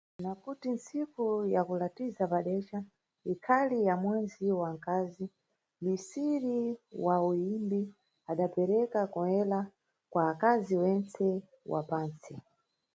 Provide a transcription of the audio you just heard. Na kuti ntsiku ya kulatiza padeca ikhali ya mwezi wa nkazi, misiri wa uyimbi adapereka "Com Ela" kwa akazi wentse wa pantsi.